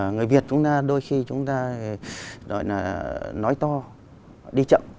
người việt chúng ta đôi khi chúng ta gọi là nói to đi chậm